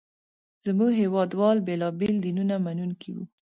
زموږ هېواد وال بېلابېل دینونه منونکي وو.